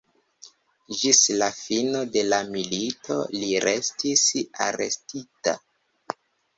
Ĝis la fino de la milito li restis arestita.